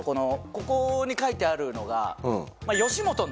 ここに書いてあるのが。